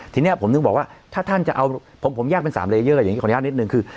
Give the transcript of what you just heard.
ทีนี้ผมถึงบอกว่าถ้าท่านจะเอาผมแยกเป็น๓เลเยอร์อย่างนี้ขออนุญาตนิดนึงคือ